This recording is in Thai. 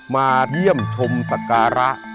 มาเยี่ยมชมสักการะ